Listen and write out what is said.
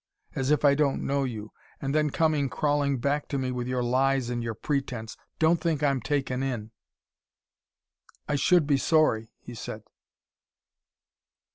as if I don't know you. And then coming crawling back to me with your lies and your pretense. Don't think I'm taken in." "I should be sorry," he said.